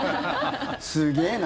すげえな。